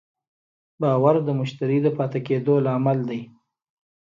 باور د مشتری پاتې کېدو لامل دی.